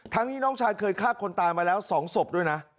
นี้น้องชายเคยฆ่าคนตายมาแล้ว๒ศพด้วยนะ